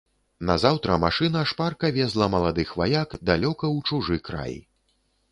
Назаўтра машына шпарка везла маладых ваяк далёка ў чужы край.